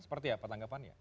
seperti apa tanggapannya